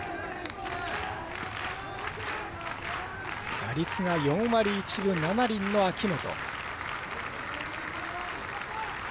打率は４割１分７厘の秋元。